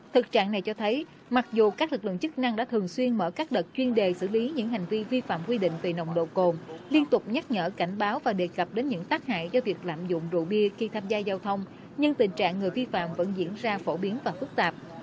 thực trạng này cho thấy mặc dù các lực lượng chức năng đã thường xuyên mở các đợt chuyên đề xử lý những hành vi vi phạm quy định về nồng độ cồn liên tục nhắc nhở cảnh báo và đề cập đến những tác hại do việc lạm dụng rượu bia khi tham gia giao thông nhưng tình trạng người vi phạm vẫn diễn ra phổ biến và phức tạp